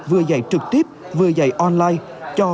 vừa dạy trực tiếp vừa dạy online